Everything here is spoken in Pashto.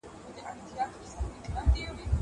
هغه کتاب چي په ميز پروت دی زما دی.